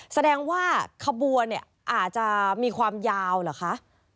แสดงว่าขบวนเนี่ยอาจจะมีความยาวเหรอคะ